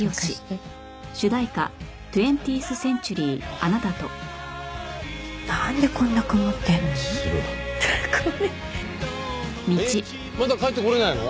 えっまだ帰ってこれないの？